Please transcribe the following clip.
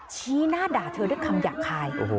ชี้หน้าด่าเธอด้วยคำหยาบคาย